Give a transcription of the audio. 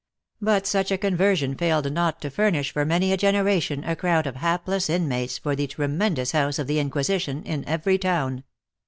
But such a conversion failed not to furnish for many a generation a crowd of hapless inmates for the Tre mendous House of the Inquisition in every town.